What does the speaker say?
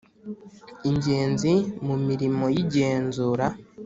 ingenzi mu mirimo y igenzura